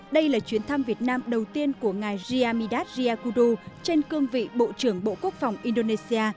đây là chuyến thăm việt nam đầu tiên của ngài gamidat jyakudu trên cương vị bộ trưởng bộ quốc phòng indonesia